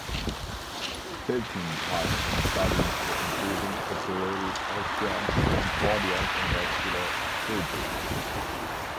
Statins have been studied for improving operative outcomes in cardiac and vascular surgery.